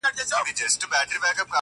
څوک چي مړ سي هغه ځي د خدای دربار ته!